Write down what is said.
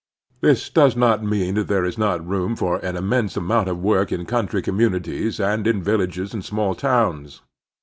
This does not mean that there is not room for an immense amotmt of work in cotmtry communities and in villages and small towns.